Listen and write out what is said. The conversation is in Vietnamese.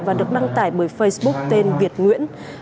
và được đăng tải bởi facebook tên việt nguyễn